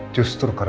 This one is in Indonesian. justru karena lebaran